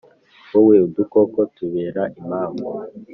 wowe udukoko tubera impamvu